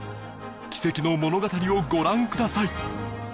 奇跡の物語をご覧ください